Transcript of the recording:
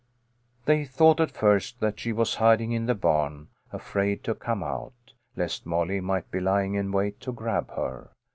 THEY thought at first that she was hiding in the barn, afraid to come out, lest Molly might be lying in wait to grab her.